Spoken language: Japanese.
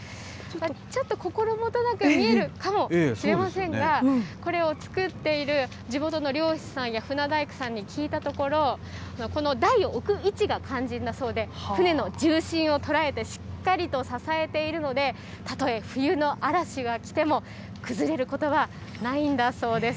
ちょっと心もとなく見えるかもしれませんが、これを作っている地元の漁師さんや船大工さんに聞いたところ、この台を置く位置が肝心だそうで、船の重心を捉えて、しっかりと支えているので、たとえ冬の嵐が来ても崩れることはないんだそうです。